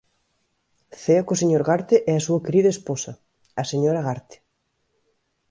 Cea co señor Garte e a súa querida esposa, a señora Garte.